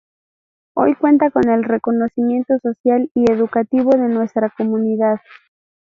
Hoy cuenta con el reconocimiento social y educativo de nuestra comunidad.